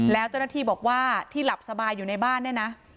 แล้วเจ้าหน้าที่บอกว่าที่หลับสบายอยู่ในบ้านเนี่ยนะ